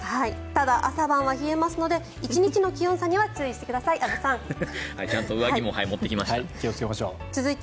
ただ、朝晩は冷えますので１日の気温差には注意してください。